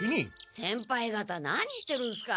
先輩方何してるんすか？